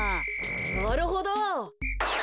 なるほど。